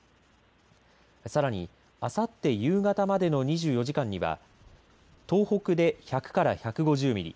さらに、あさって夕方までの２４時間には東北で１００から１５０ミリ